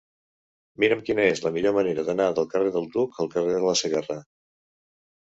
Mira'm quina és la millor manera d'anar del carrer del Duc al carrer de la Segarra.